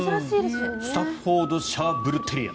スタッフォードシャー・ブル・テリア。